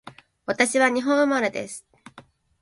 私は日本生まれです